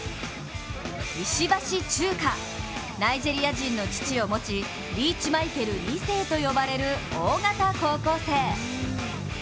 ナイジェリア人の父を持ちリーチマイケル２世と呼ばれる大型高校生。